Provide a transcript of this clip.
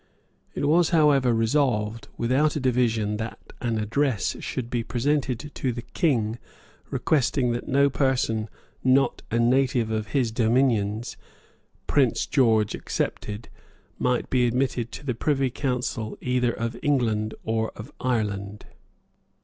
It was however resolved, without a division, that an address should be presented to the King, requesting that no person not a native of his dominions, Prince George excepted, might be admitted to the Privy Council either of England or of Ireland.